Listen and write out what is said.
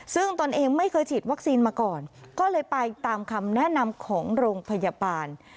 ซึ่งตนเองไม่เคยฉีดวัคซีนมาก่อนก็เลยไปตามคำแนะนำของโรงพยาบาล